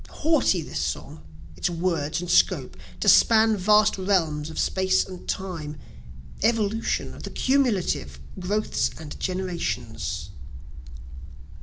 Haughty this song, its words and scope, To span vast realms of space and time, Evolution the cumulative growths and generations.